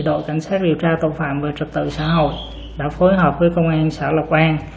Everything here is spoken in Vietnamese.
đội cảnh sát điều tra tội phạm về trật tự xã hội đã phối hợp với công an xã lộc quang